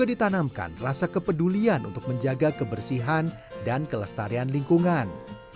ditanamkan rasa kepedulian untuk menjaga kebersihan dan kelestarian lingkungan